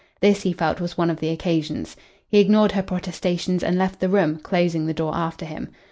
This he felt was one of the occasions. He ignored her protestations and left the room, closing the door after him.